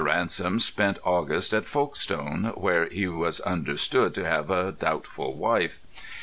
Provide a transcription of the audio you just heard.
Ransom spent August at Folkestone, where he was understood to have a doubtful wife.